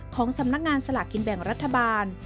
ของสำนักงานสลากกินแบ่งรัฐบาล